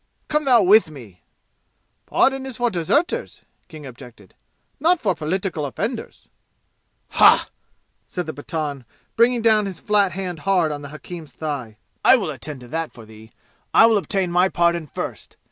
Come thou with me!" "The pardon is for deserters," King objected, "not for political offenders." "Haugh!" said the Pathan, bringing down his flat hand hard on the hakim's thigh. "I will attend to that for thee. I will obtain my pardon first.